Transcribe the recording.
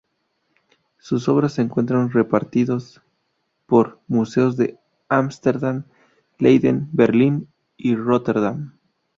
Sus obras se encuentran repartidos por museos de Ámsterdam, Leiden, Berlín y Róterdam.